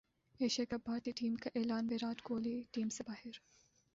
Asia cup بھارتی team کا اعلان ویرات کوہلی ٹیم سے باہر